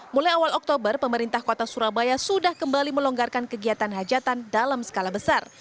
mulai awal oktober pemerintah kota surabaya sudah kembali melonggarkan kegiatan hajatan dalam skala besar